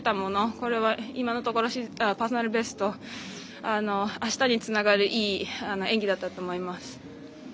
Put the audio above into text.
これは今のところパーソナルベストあしたにつながるいい演技だったと思います。